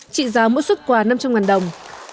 trị giá mỗi xuất quà năm trăm linh đồng